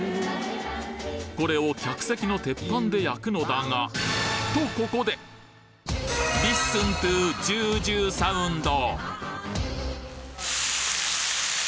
これを客席の鉄板で焼くのだがリッスントゥージュージューサウンド！